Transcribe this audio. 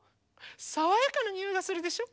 さわやかなにおいがするでしょ。